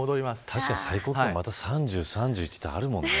確かに最高気温また３０、３１ってあるもんね。